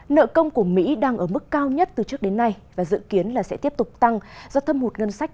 nợ công của mỹ đang ở mức cao nhất từ trước đến nay và dự kiến là sẽ tiếp tục tăng do thâm hụt ngân sách